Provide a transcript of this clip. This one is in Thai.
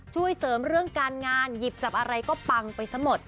ช่วยเสริมเรื่องการงานหยิบจับอะไรก็ปังไปซะหมด